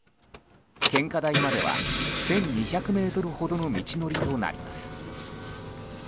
献花台までは１２００ｍほどの道のりとなります。